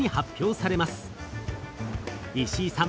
石井さん